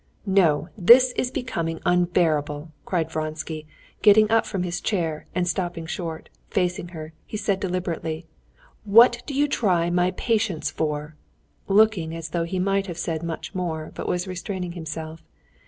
"No, this is becoming unbearable!" cried Vronsky, getting up from his chair; and stopping short, facing her, he said, speaking deliberately: "What do you try my patience for?" looking as though he might have said much more, but was restraining himself.